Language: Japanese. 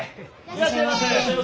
いらっしゃいませ！